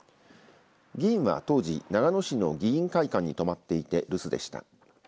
議員は当時、長野市の議員会館に泊まっていて留守でした。